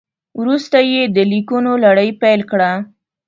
وروسته یې د لیکونو لړۍ پیل کړه.